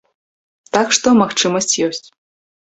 Так што магчымасць ёсць.